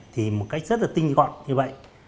thì một cách rất là tinh gọn như vậy